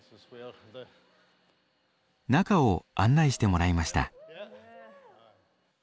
中を案内してもらいました。